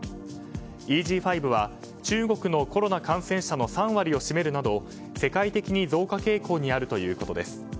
ＥＧ．５は中国のコロナ感染者の３割を占めるなど世界的に増加傾向にあるということです。